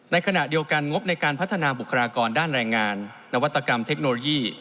ในขณะเดียวกันงบในการพัฒนาบุคลากรด้านแรงงานนวัตกรรมเทคโนโลยี